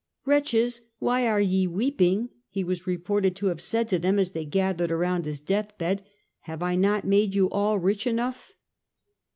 " Wretches, why are ye weeping ?" he was reported to have said to them as they gathered around his deathbed ;" have I not made you all rich enough